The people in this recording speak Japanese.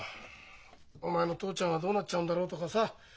お前の父ちゃんはどうなっちゃうんだろうとかさ